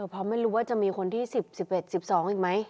เพราะไม่รู้ว่าจะมีคนที่๑๐๑๑๑๑๒อีกไหม